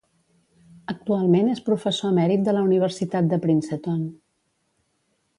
Actualment és professor emèrit de la Universitat de Princeton.